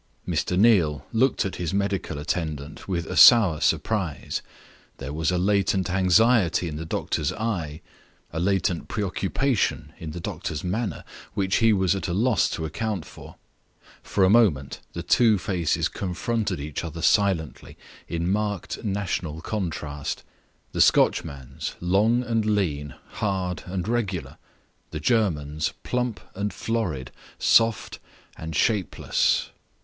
Mr. Neal looked at his medical attendant with a sour surprise. There was a latent anxiety in the doctor's eye, a latent preoccupation in the doctor's manner, which he was at a loss to account for. For a moment the two faces confronted each other silently, in marked national contrast the Scotchman's, long and lean, hard and regular; the German's, plump and florid, soft and shapeless.